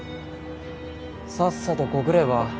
さっさと告れば？